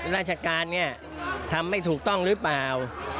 ราชการเนี่ยทำไม่ถูกต้องหรือเปล่า